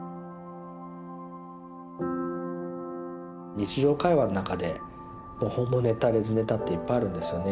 日常会話の中でホモネタレズネタっていっぱいあるんですよね。